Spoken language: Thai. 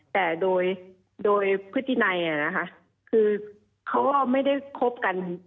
แต่โดยพื้นที่ในคือเขาไม่ได้คบกัน